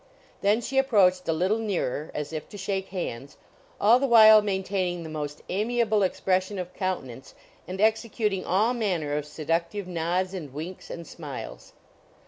Then she approached a little nearer, as if to shake hands, all the while maintaining the most amiable expression of countenance and executing all manner of seductive nods and winks and smiles.